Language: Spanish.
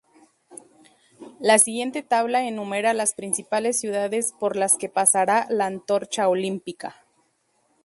La siguiente tabla enumera las principales ciudades por las que pasará la antorcha olímpica.